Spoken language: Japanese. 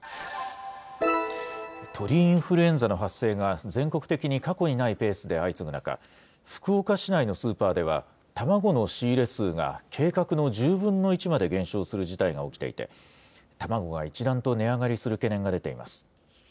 鳥インフルエンザの発生が全国的に過去にないペースで相次ぐ中、福岡市内のスーパーでは、卵の仕入れ数が、計画の１０分の１まで減少する事態が起きていて、卵が一段と値上がりする懸念が出ています。